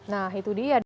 nah itu dia